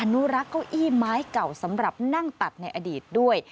นุรักษ์เก้าอี้ไม้เก่าสำหรับนั่งตัดในอดีตด้วย